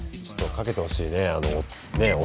ちょっとかけてほしいね